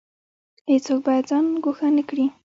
هیڅوک باید ځان ګوښه نکړي